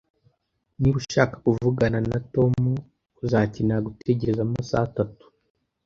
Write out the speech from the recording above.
Niba ushaka kuvugana na Tom, uzakenera gutegereza amasaha atatu